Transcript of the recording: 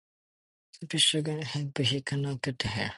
Something struggled in him, but he could not get to her.